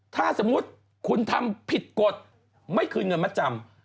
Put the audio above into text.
ถ้าสมมุติคุณทำผิดกฎไม่คืนเงินมาจำ